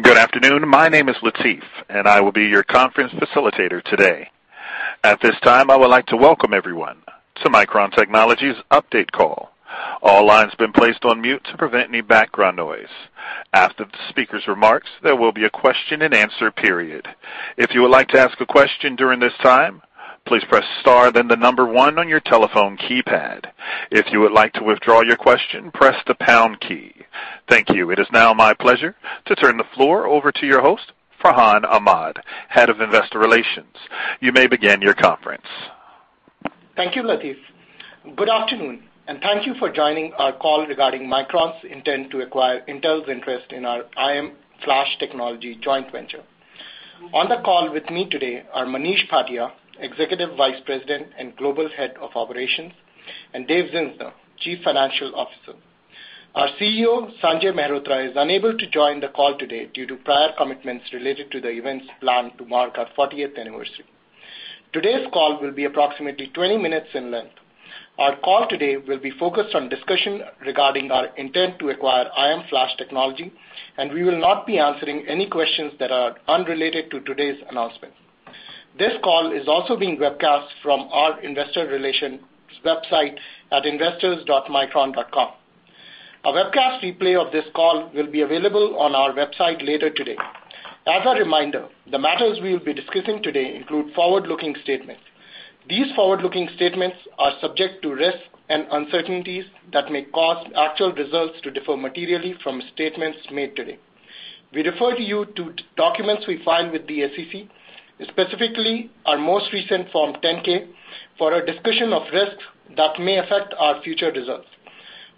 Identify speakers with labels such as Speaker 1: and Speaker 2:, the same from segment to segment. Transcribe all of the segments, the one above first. Speaker 1: Good afternoon. My name is Latif, and I will be your conference facilitator today. At this time, I would like to welcome everyone to Micron Technology's update call. All lines have been placed on mute to prevent any background noise. After the speaker's remarks, there will be a question and answer period. If you would like to ask a question during this time, please press star, then the number one on your telephone keypad. If you would like to withdraw your question, press the pound key. Thank you. It is now my pleasure to turn the floor over to your host, Farhan Ahmad, Head of Investor Relations. You may begin your conference.
Speaker 2: Thank you, Latif. Good afternoon, and thank you for joining our call regarding Micron's intent to acquire Intel's interest in our IM Flash Technologies joint venture. On the call with me today are Manish Bhatia, Executive Vice President and Global Head of Operations, and Dave Zinsner, Chief Financial Officer. Our CEO, Sanjay Mehrotra, is unable to join the call today due to prior commitments related to the events planned to mark our 40th anniversary. Today's call will be approximately 20 minutes in length. Our call today will be focused on discussion regarding our intent to acquire IM Flash Technologies, and we will not be answering any questions that are unrelated to today's announcement. This call is also being webcast from our investor relations website at investors.micron.com. A webcast replay of this call will be available on our website later today. As a reminder, the matters we will be discussing today include forward-looking statements. These forward-looking statements are subject to risks and uncertainties that may cause actual results to differ materially from statements made today. We refer you to documents we file with the SEC, specifically our most recent Form 10-K, for a discussion of risks that may affect our future results.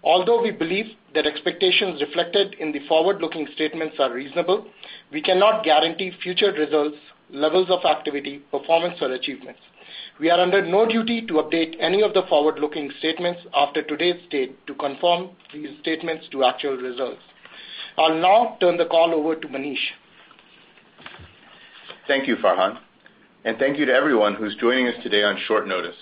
Speaker 2: Although we believe that expectations reflected in the forward-looking statements are reasonable, we cannot guarantee future results, levels of activity, performance, or achievements. We are under no duty to update any of the forward-looking statements after today's date to confirm these statements to actual results. I'll now turn the call over to Manish.
Speaker 3: Thank you, Farhan, and thank you to everyone who's joining us today on short notice.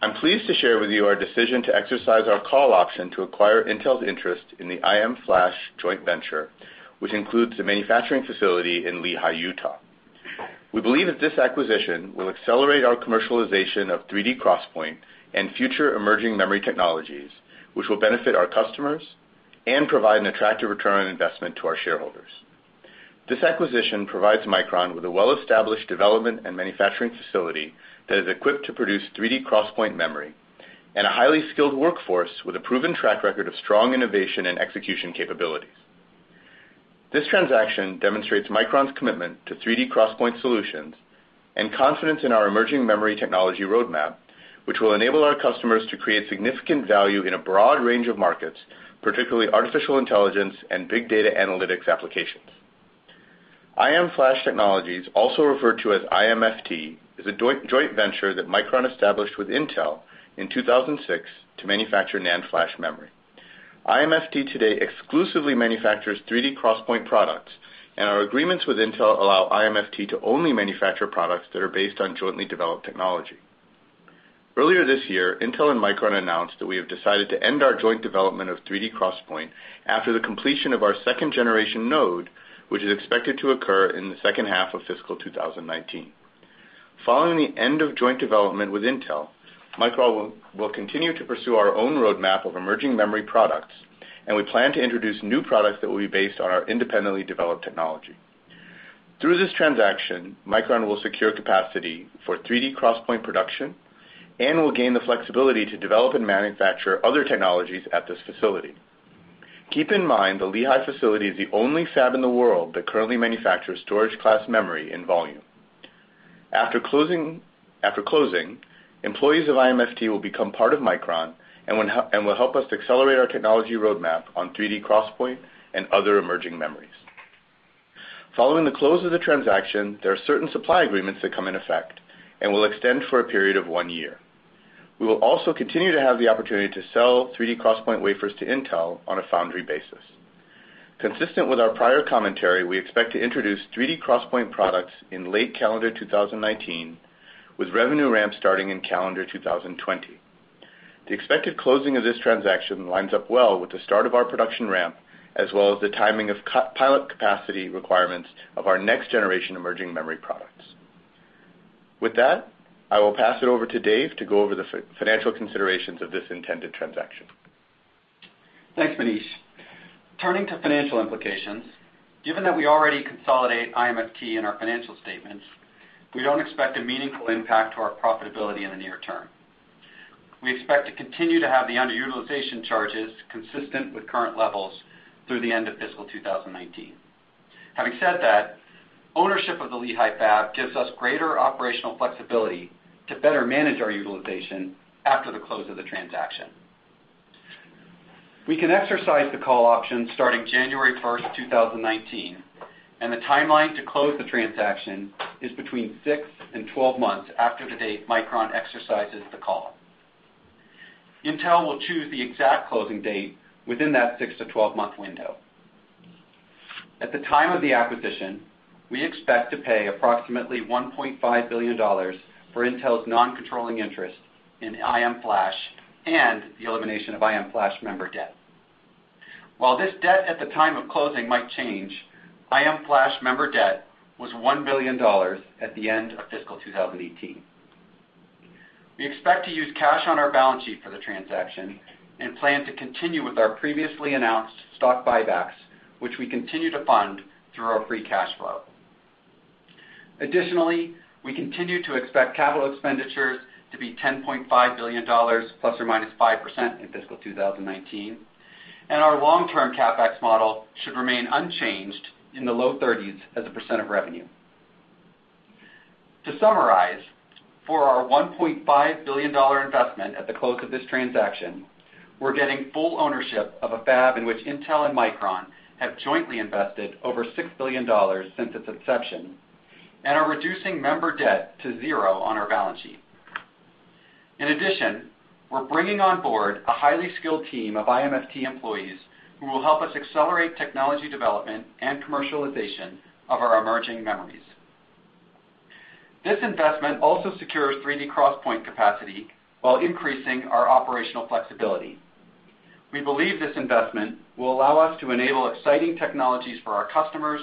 Speaker 3: I'm pleased to share with you our decision to exercise our call option to acquire Intel's interest in the IM Flash joint venture, which includes the manufacturing facility in Lehi, Utah. We believe that this acquisition will accelerate our commercialization of 3D XPoint and future emerging memory technologies, which will benefit our customers and provide an attractive return on investment to our shareholders. This acquisition provides Micron with a well-established development and manufacturing facility that is equipped to produce 3D XPoint memory and a highly skilled workforce with a proven track record of strong innovation and execution capabilities. This transaction demonstrates Micron's commitment to 3D XPoint solutions and confidence in our emerging memory technology roadmap, which will enable our customers to create significant value in a broad range of markets, particularly artificial intelligence and big data analytics applications. IM Flash Technologies, also referred to as IMFT, is a joint venture that Micron established with Intel in 2006 to manufacture NAND flash memory. IMFT today exclusively manufactures 3D XPoint products, and our agreements with Intel allow IMFT to only manufacture products that are based on jointly developed technology. Earlier this year, Intel and Micron announced that we have decided to end our joint development of 3D XPoint after the completion of our second-generation node, which is expected to occur in the second half of fiscal 2019. Following the end of joint development with Intel, Micron will continue to pursue our own roadmap of emerging memory products, and we plan to introduce new products that will be based on our independently developed technology. Through this transaction, Micron will secure capacity for 3D XPoint production and will gain the flexibility to develop and manufacture other technologies at this facility. Keep in mind the Lehi facility is the only fab in the world that currently manufactures Storage Class Memory in volume. After closing, employees of IMFT will become part of Micron and will help us to accelerate our technology roadmap on 3D XPoint and other emerging memories. Following the close of the transaction, there are certain supply agreements that come in effect and will extend for a period of one year. We will also continue to have the opportunity to sell 3D XPoint wafers to Intel on a foundry basis. Consistent with our prior commentary, we expect to introduce 3D XPoint products in late calendar 2019, with revenue ramp starting in calendar 2020. The expected closing of this transaction lines up well with the start of our production ramp, as well as the timing of pilot capacity requirements of our next generation emerging memory products. With that, I will pass it over to Dave to go over the financial considerations of this intended transaction.
Speaker 4: Thanks, Manish. Turning to financial implications, given that we already consolidate IMFT in our financial statements, we don't expect a meaningful impact to our profitability in the near term. We expect to continue to have the underutilization charges consistent with current levels through the end of fiscal 2019. Having said that, ownership of the Lehi fab gives us greater operational flexibility to better manage our utilization after the close of the transaction. We can exercise the call option starting January first, 2019, and the timeline to close the transaction is between six and 12 months after the date Micron exercises the call. Intel will choose the exact closing date within that six to 12-month window. At the time of the acquisition. We expect to pay approximately $1.5 billion for Intel's non-controlling interest in IM Flash and the elimination of IM Flash member debt. While this debt at the time of closing might change, IM Flash member debt was $1 billion at the end of fiscal 2018. We expect to use cash on our balance sheet for the transaction and plan to continue with our previously announced stock buybacks, which we continue to fund through our free cash flow. Additionally, we continue to expect capital expenditures to be $10.5 billion ±5% in fiscal 2019, and our long-term CapEx model should remain unchanged in the low 30s as a % of revenue. To summarize, for our $1.5 billion investment at the close of this transaction, we're getting full ownership of a fab in which Intel and Micron have jointly invested over $6 billion since its inception and are reducing member debt to zero on our balance sheet. We're bringing on board a highly skilled team of IMFT employees who will help us accelerate technology development and commercialization of our emerging memories. This investment also secures 3D XPoint capacity while increasing our operational flexibility. We believe this investment will allow us to enable exciting technologies for our customers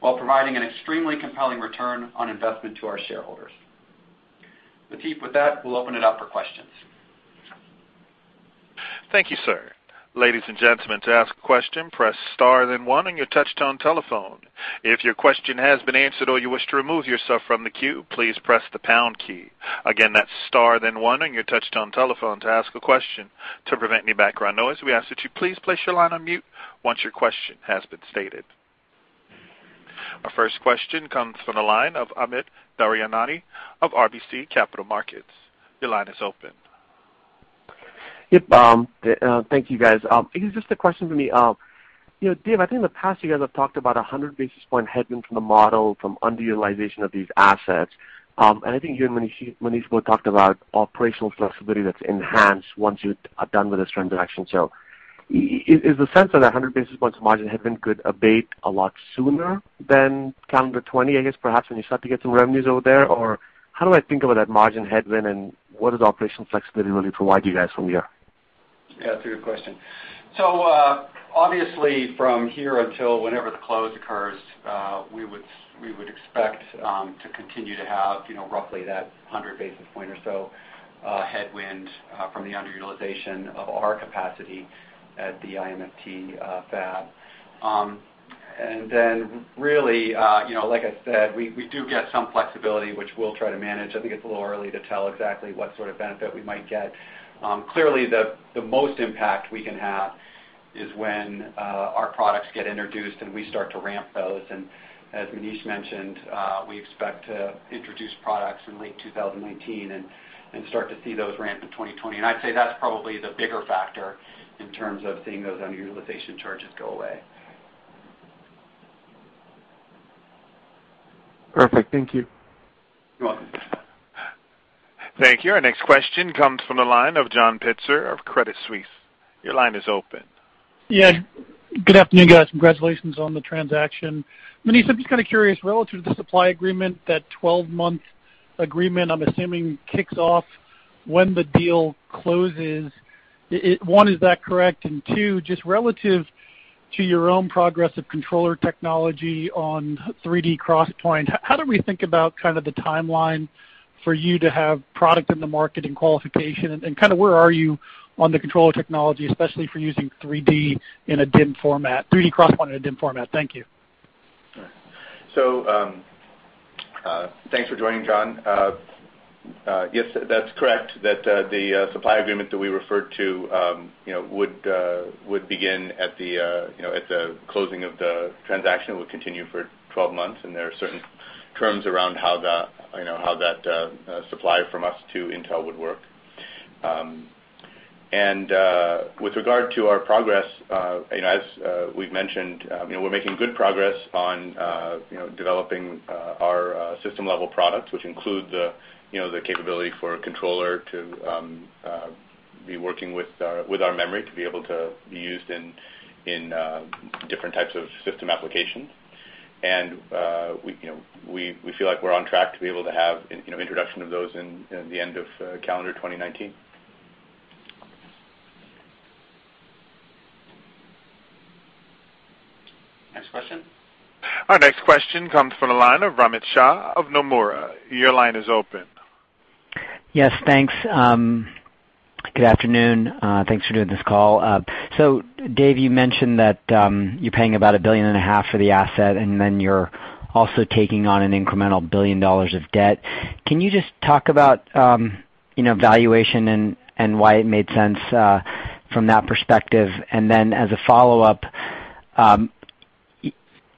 Speaker 4: while providing an extremely compelling return on investment to our shareholders. Latif, with that, we'll open it up for questions.
Speaker 1: Thank you, sir. Ladies and gentlemen, to ask a question, press star then one on your touch-tone telephone. If your question has been answered or you wish to remove yourself from the queue, please press the pound key. Again, that's star then one on your touch-tone telephone to ask a question. To prevent any background noise, we ask that you please place your line on mute once your question has been stated. Our first question comes from the line of Amit Daryanani of RBC Capital Markets. Your line is open.
Speaker 5: Yep. Thank you, guys. I guess just a question for me. Dave, I think in the past, you guys have talked about 100 basis points headwind from the model from underutilization of these assets. I think you and Manish both talked about operational flexibility that's enhanced once you are done with this transaction. Is the sense that 100 basis points margin headwind could abate a lot sooner than calendar 2020, I guess, perhaps when you start to get some revenues over there? Or how do I think about that margin headwind, and what does operational flexibility really provide you guys from here?
Speaker 4: Yeah, it's a good question. Obviously, from here until whenever the close occurs, we would expect to continue to have roughly that 100 basis point or so headwind from the underutilization of our capacity at the IMFT fab. Really, like I said, we do get some flexibility, which we'll try to manage. I think it's a little early to tell exactly what sort of benefit we might get. Clearly, the most impact we can have is when our products get introduced, and we start to ramp those. As Manish mentioned, we expect to introduce products in late 2019 and start to see those ramp in 2020. I'd say that's probably the bigger factor in terms of seeing those underutilization charges go away.
Speaker 5: Perfect. Thank you.
Speaker 4: You're welcome.
Speaker 1: Thank you. Our next question comes from the line of John Pitzer of Credit Suisse. Your line is open.
Speaker 6: Yeah. Good afternoon, guys. Congratulations on the transaction. Manish, I'm just kind of curious, relative to the supply agreement, that 12-month agreement, I'm assuming, kicks off when the deal closes. One, is that correct? Two, just relative to your own progress of controller technology on 3D XPoint, how do we think about the timeline for you to have product in the market and qualification, and where are you on the controller technology, especially for using 3D in a DIMM format, 3D XPoint in a DIMM format? Thank you.
Speaker 3: Thanks for joining, John. Yes, that's correct, that the supply agreement that we referred to would begin at the closing of the transaction, will continue for 12 months, and there are certain terms around how that supply from us to Intel would work. With regard to our progress, as we've mentioned, we're making good progress on developing our system-level products, which include the capability for a controller to be working with our memory to be able to be used in different types of system applications. We feel like we're on track to be able to have introduction of those in the end of calendar 2019.
Speaker 4: Next question.
Speaker 1: Our next question comes from the line of Romit Shah of Nomura. Your line is open.
Speaker 7: Yes, thanks. Good afternoon. Thanks for doing this call. Dave, you mentioned that you're paying about a billion and a half for the asset. You're also taking on an incremental $1 billion of debt. Can you just talk about valuation and why it made sense from that perspective? As a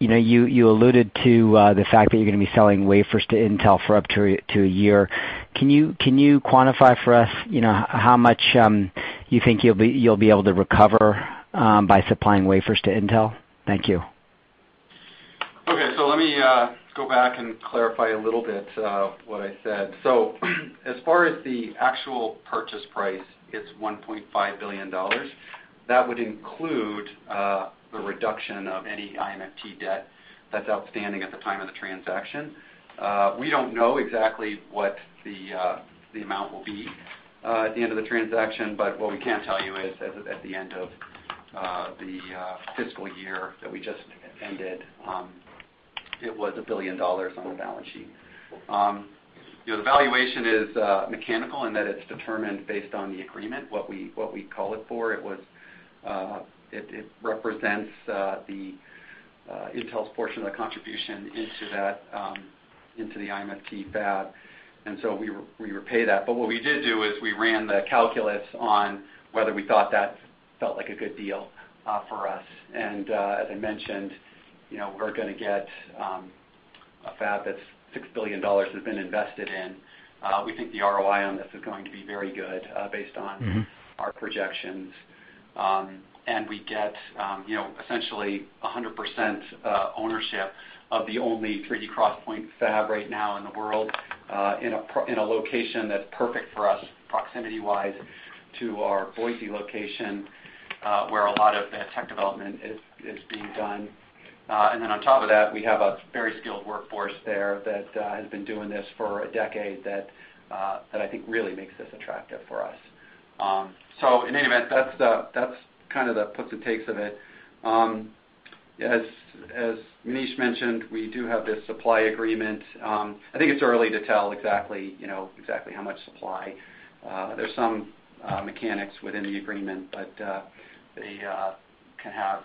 Speaker 7: follow-up, you alluded to the fact that you're going to be selling wafers to Intel for up to a year. Can you quantify for us how much you think you'll be able to recover by supplying wafers to Intel? Thank you.
Speaker 4: Let me go back and clarify a little bit what I said. As far as the actual purchase price, it's $1.5 billion. That would include the reduction of any IMFT debt that's outstanding at the time of the transaction. We don't know exactly what the amount will be at the end of the transaction. What we can tell you is at the end of the fiscal year that we just ended, it was $1 billion on the balance sheet. The valuation is mechanical in that it's determined based on the agreement, what we call it for. It represents Intel's portion of the contribution into the IMFT fab. We repay that. What we did do is we ran the calculus on whether we thought that felt like a good deal for us. As I mentioned, we're going to get a fab that $6 billion has been invested in. We think the ROI on this is going to be very good based on our projections. We get essentially 100% ownership of the only 3D XPoint fab right now in the world, in a location that's perfect for us proximity-wise to our Boise location where a lot of the tech development is being done. On top of that, we have a very skilled workforce there that has been doing this for a decade that I think really makes this attractive for us. In any event, that's kind of the puts and takes of it. As Manish mentioned, we do have this supply agreement. I think it's early to tell exactly how much supply. There's some mechanics within the agreement. They can have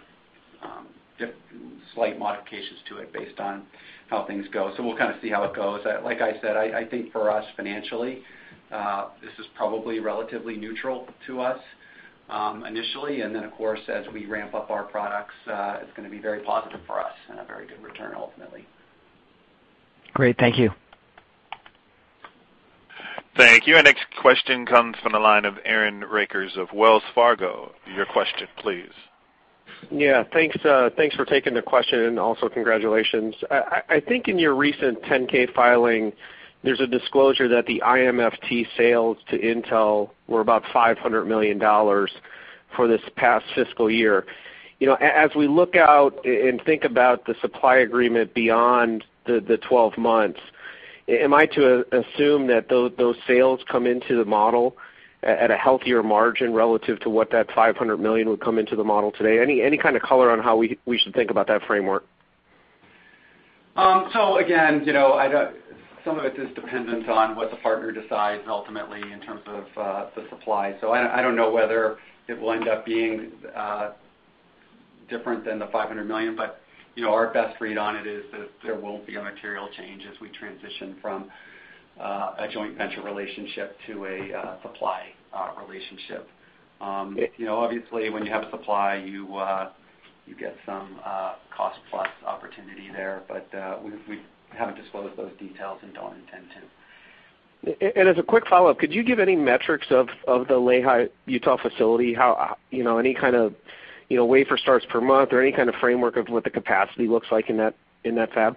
Speaker 4: slight modifications to it based on how things go. We'll kind of see how it goes. Like I said, I think for us financially this is probably relatively neutral to us initially. Of course, as we ramp up our products it's going to be very positive for us and a very good return ultimately.
Speaker 7: Great. Thank you.
Speaker 1: Thank you. Our next question comes from the line of Aaron Rakers of Wells Fargo. Your question please.
Speaker 8: Yeah, thanks for taking the question, and also congratulations. I think in your recent 10-K filing, there's a disclosure that the IMFT sales to Intel were about $500 million for this past fiscal year. As we look out and think about the supply agreement beyond the 12 months, am I to assume that those sales come into the model at a healthier margin relative to what that $500 million would come into the model today? Any kind of color on how we should think about that framework?
Speaker 4: Again, some of it is dependent on what the partner decides ultimately in terms of the supply. I don't know whether it will end up being different than the $500 million, but our best read on it is that there won't be a material change as we transition from a joint venture relationship to a supply relationship. Obviously, when you have supply, you get some cost-plus opportunity there, but we haven't disclosed those details and don't intend to.
Speaker 8: As a quick follow-up, could you give any metrics of the Lehi, Utah facility? Any kind of wafer starts per month or any kind of framework of what the capacity looks like in that fab?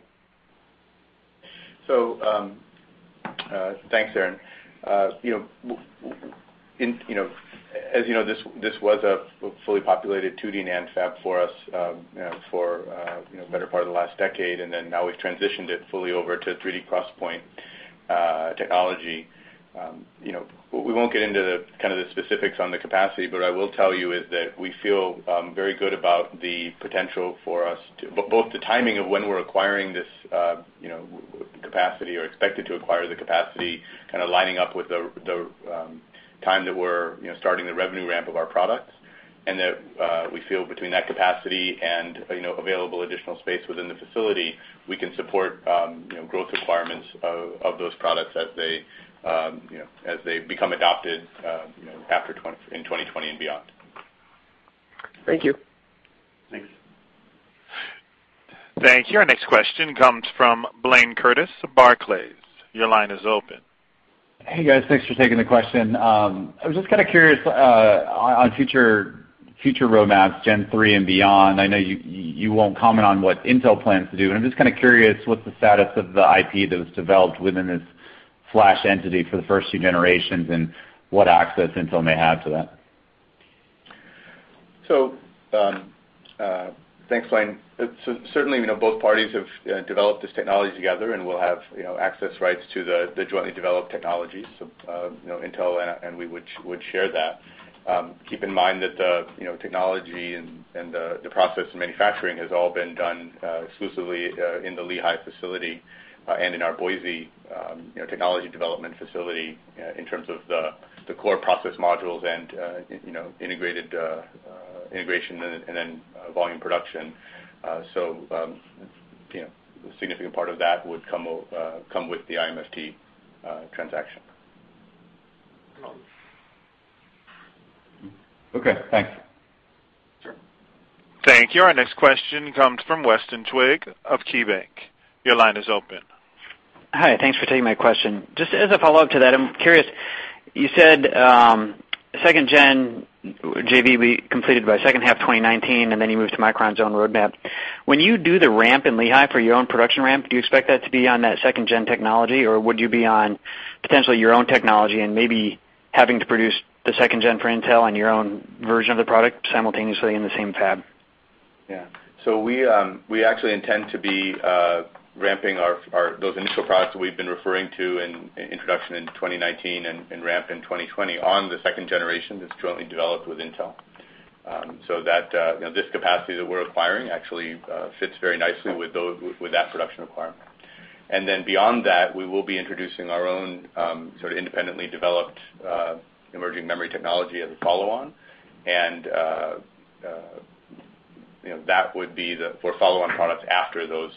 Speaker 3: Thanks, Aaron. As you know, this was a fully populated 2D NAND fab for us for the better part of the last decade, and then now we've transitioned it fully over to 3D XPoint technology. We won't get into the kind of the specifics on the capacity, but I will tell you is that we feel very good about the potential both the timing of when we're acquiring this capacity or expected to acquire the capacity, kind of lining up with the time that we're starting the revenue ramp of our products. That we feel between that capacity and available additional space within the facility, we can support growth requirements of those products as they become adopted in 2020 and beyond.
Speaker 8: Thank you.
Speaker 3: Thanks.
Speaker 1: Thank you. Our next question comes from Blayne Curtis, Barclays. Your line is open.
Speaker 9: Hey, guys. Thanks for taking the question. I was just kind of curious on future roadmaps, gen 3 and beyond. I know you won't comment on what Intel plans to do, and I'm just kind of curious, what's the status of the IP that was developed within this flash entity for the first few generations, and what access Intel may have to that?
Speaker 3: Thanks, Blayne. Certainly, both parties have developed this technology together and will have access rights to the jointly developed technologies. Intel and we would share that. Keep in mind that the technology and the process and manufacturing has all been done exclusively in the Lehi facility and in our Boise technology development facility in terms of the core process modules and integration and then volume production. A significant part of that would come with the IMFT transaction.
Speaker 9: Okay, thanks.
Speaker 3: Sure.
Speaker 1: Thank you. Our next question comes from Weston Twigg of KeyBanc. Your line is open
Speaker 10: Hi, thanks for taking my question. Just as a follow-up to that, I'm curious, you said second-gen JV will be completed by the second half of 2019, then you move to Micron's own roadmap. When you do the ramp in Lehi for your own production ramp, do you expect that to be on that second-gen technology? Or would you be on potentially your own technology and maybe having to produce the second-gen for Intel on your own version of the product simultaneously in the same fab?
Speaker 3: Yeah. We actually intend to be ramping those initial products that we've been referring to in introduction in 2019 and ramp in 2020 on the second-generation that's jointly developed with Intel. That this capacity that we're acquiring actually fits very nicely with that production requirement. Then beyond that, we will be introducing our own sort of independently developed emerging memory technology as a follow-on. That would be for follow-on products after those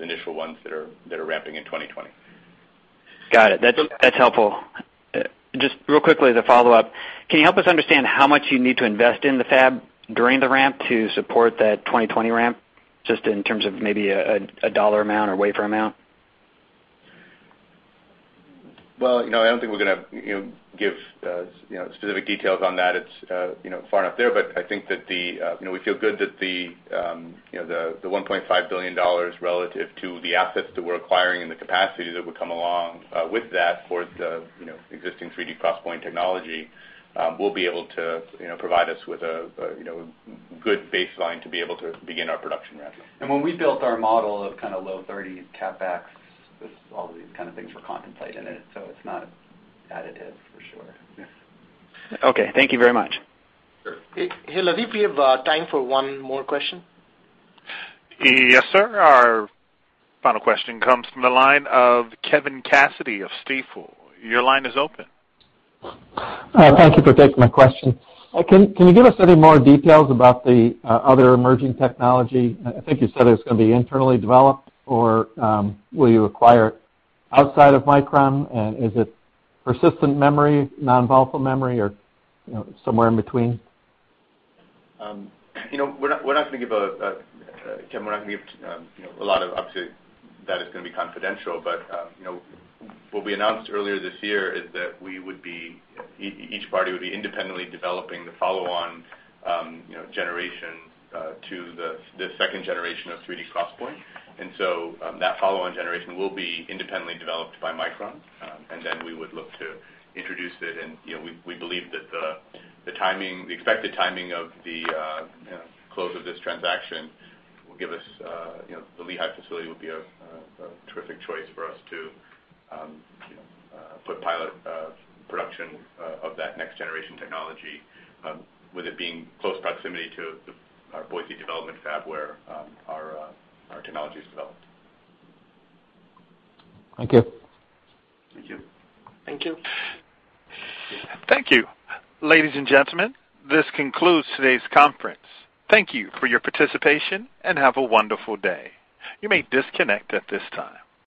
Speaker 3: initial ones that are ramping in 2020.
Speaker 10: Got it. That's helpful. Just real quickly as a follow-up, can you help us understand how much you need to invest in the fab during the ramp to support that 2020 ramp, just in terms of maybe a dollar amount or wafer amount?
Speaker 3: Well, I don't think we're going to give specific details on that. It's far enough there, but I think that we feel good that the $1.5 billion relative to the assets that we're acquiring and the capacity that would come along with that for the existing 3D XPoint technology will be able to provide us with a good baseline to be able to begin our production ramp.
Speaker 4: When we built our model of kind of low thirties CapEx, all of these kind of things were contemplated in it, so it's not additive, for sure.
Speaker 3: Yes.
Speaker 10: Okay. Thank you very much.
Speaker 3: Sure.
Speaker 2: Hey, Latif, we have time for one more question.
Speaker 1: Yes, sir. Our final question comes from the line of Kevin Cassidy of Stifel. Your line is open.
Speaker 11: Thank you for taking my question. Can you give us any more details about the other emerging technology? I think you said it was going to be internally developed, or will you acquire it outside of Micron? Is it persistent memory, non-volatile memory, or somewhere in between?
Speaker 3: Kevin, we're not going to give. Obviously, that is going to be confidential, but what we announced earlier this year is that each party would be independently developing the follow-on generation to the second generation of 3D XPoint. That follow-on generation will be independently developed by Micron, then we would look to introduce it. We believe that the expected timing of the close of this transaction will give us the Lehi facility, will be a terrific choice for us to put pilot production of that next generation technology, with it being close proximity to our Boise development fab where our technology is developed.
Speaker 11: Thank you.
Speaker 3: Thank you.
Speaker 2: Thank you.
Speaker 1: Thank you. Ladies and gentlemen, this concludes today's conference. Thank you for your participation, and have a wonderful day. You may disconnect at this time.